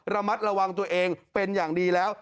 ระมัดระวังตัวเองเป็นอย่างดีแล้ว